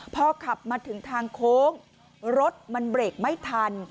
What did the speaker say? พอขับมาถึงทางโค้งรถมันเบรกไม่ทัน